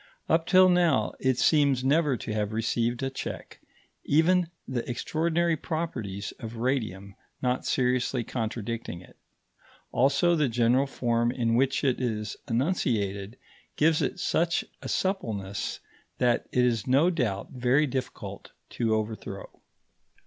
Up till now it seems never to have received a check, even the extraordinary properties of radium not seriously contradicting it; also the general form in which it is enunciated gives it such a suppleness that it is no doubt very difficult to overthrow.